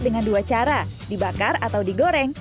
dengan dua cara dibakar atau digoreng